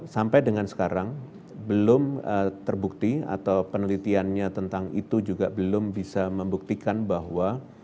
sampai dengan sekarang belum terbukti atau penelitiannya tentang itu juga belum bisa membuktikan bahwa